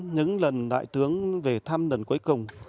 những lần đại tướng về thăm lần cuối cùng